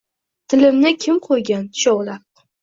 Tilimni kim qoʼygan tushovlab?